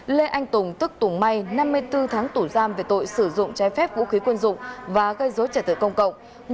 lê anh tùng tức tùng may năm mươi bốn tháng tủ giam về tội sử dụng trái phép vũ khí quân dụng và gây dối trả tự công cộng